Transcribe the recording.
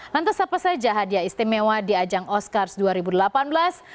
lantas apa saja hadiah istimewa di ajang oscars dua ribu delapan belas